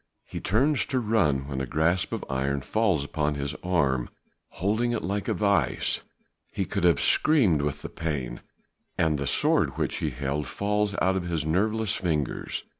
He turns to run when a grasp of iron falls upon his arm, holding it like a vice. He could have screamed with the pain, and the sword which he held falls out of his nerveless fingers.